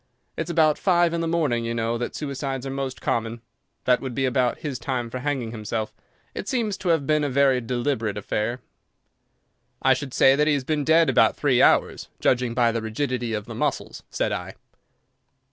It's about five in the morning, you know, that suicides are most common. That would be about his time for hanging himself. It seems to have been a very deliberate affair." "I should say that he has been dead about three hours, judging by the rigidity of the muscles," said I.